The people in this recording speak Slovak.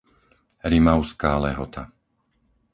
Rimavská Lehota